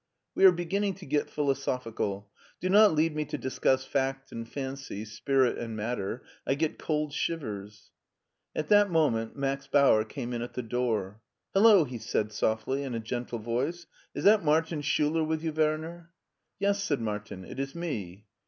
We are beginning to get philosophical Do not lead me to discuss fact and fancy, spirit and matter. I get cold shivers." At that moment Max Bauer came in at the door. " Hello !" he said softly, in a gentle voice ;" is that Martin Schiiler with you, Werner?" " Yes," said Martin, " it is me."